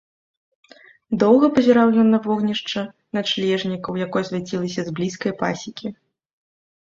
Доўга пазіраў ён на вогнішча начлежнікаў, якое свяцілася з блізкай пасекі.